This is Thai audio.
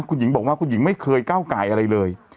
คุณหญิงบอกว่าคุณหญิงไม่เคยก้าวไก่อะไรเลย